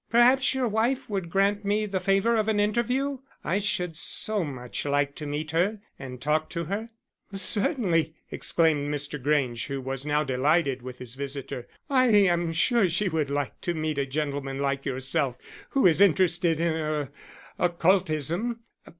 Perhaps your wife would grant me the favour of an interview? I should so much like to meet her and talk to her." "Certainly," exclaimed Mr. Grange, who was now delighted with his visitor. "I am sure she would like to meet a gentleman like yourself who is interested in er occultism.